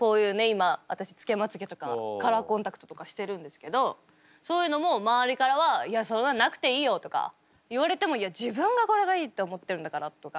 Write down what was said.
今私つけまつげとかカラーコンタクトとかしてるんですけどそういうのも周りからは「いやそれはなくていいよ」とか言われてもいや自分がこれがいいって思ってるんだからとか。